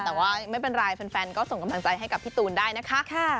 แต่ว่าไม่เป็นไรแฟนก็ส่งกำลังใจให้กับพี่ตูนได้นะคะ